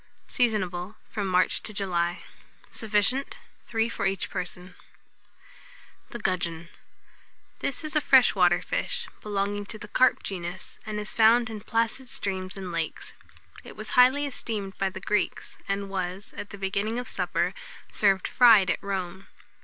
Seasonable from March to July. Sufficient, 3 for each person. [Illustration: THE GUDGEON.] THE GUDGEON. This is a fresh water fish, belonging to the carp genus, and is found in placid streams and lakes. It was highly esteemed by the Greeks, and was, at the beginning of supper, served fried at Rome.